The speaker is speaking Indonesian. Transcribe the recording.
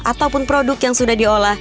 ataupun produk yang sudah diolah